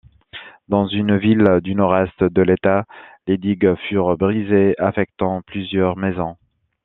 Dans une ville du nord-est de l'état, les digues furent brisées affectant plusieurs maisons.